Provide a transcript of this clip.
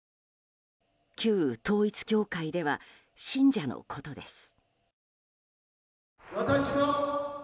旧統一教会では信者のことです。